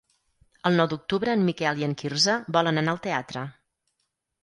El nou d'octubre en Miquel i en Quirze volen anar al teatre.